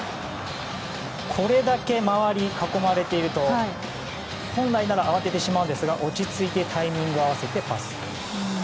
これだけ周り囲まれていると本来なら慌ててしまうんですが落ち着いてタイミングを合わせてパス。